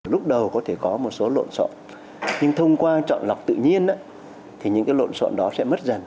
lúc đầu có thể có một số lộn sộn nhưng thông qua chọn lọc tự nhiên thì những cái lộn xộn đó sẽ mất dần